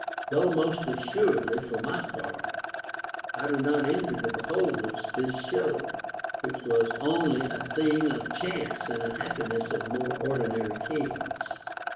Though most assuredly, for my part, I do not envy the beholders this show, Avhich Avas only a thing of chance and a happiness of more ordinary kings.